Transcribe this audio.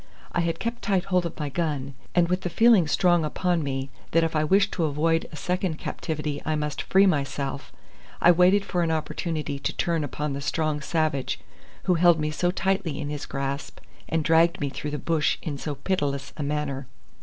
I had kept tight hold of my gun, and with the feeling strong upon me that if I wished to avoid a second captivity I must free myself, I waited for an opportunity to turn upon the strong savage who held me so tightly in his grasp and dragged me through the bush in so pitiless a manner.